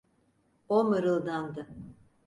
O mırıldandı: